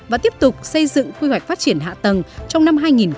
và tiếp tục xây dựng quy hoạch phát triển hạ tầng trong năm hai nghìn một mươi chín